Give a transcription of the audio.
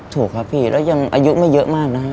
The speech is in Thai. ถูกครับพี่แล้วยังอายุไม่เยอะมากนะฮะ